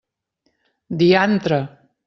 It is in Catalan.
Diantre!